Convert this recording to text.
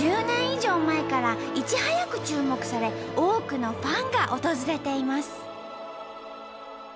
１０年以上前からいち早く注目され多くのファンが訪れています。